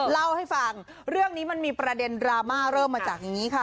เล่าให้ฟังเรื่องนี้มันมีประเด็นดราม่าเริ่มมาจากอย่างนี้ค่ะ